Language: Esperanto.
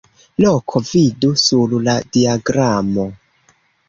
Loko: vidu sur la diagramo.